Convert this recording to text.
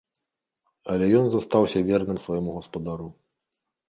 Але ён застаўся верным свайму гаспадару.